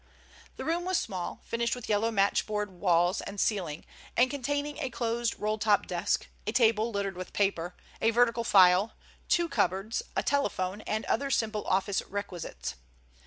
The room was small, finished with yellow matchboarded walls and ceiling, and containing a closed roll top desk, a table littered with papers, a vertical file, two cupboards, a telephone, and other simple office requisites.